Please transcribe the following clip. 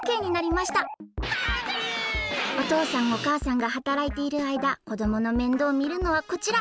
おとうさんおかあさんがはたらいているあいだこどものめんどうをみるのはこちら！